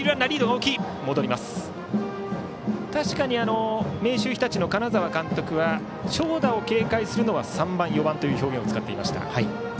確かに明秀日立の金沢監督は長打を警戒するのは３番、４番という表現を使っていました。